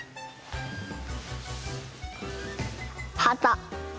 はた！